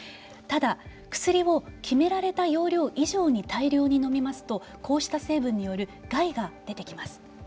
ただ、薬を決められた用量以上にのみますとこうした成分による害が出てきます。